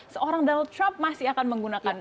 seorang donald trump masih akan menggunakan